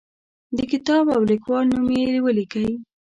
د کتاب او لیکوال نوم یې ولیکئ.